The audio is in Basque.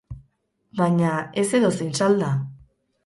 Baina, ez edozein salda.